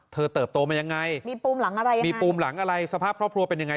เธอเติบโตมายังไงมีปูมหลังอะไรสภาพครอบครัวเป็นยังไง